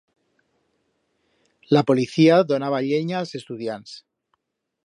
La policía donaba llenya a'ls estudiants.